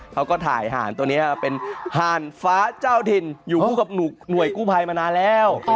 เขาก็ถ่ายห่านตัวนี้เป็นห่านฟ้าเจ้าถิ่นอยู่คู่กับหน่วยกู้ภัยมานานแล้ว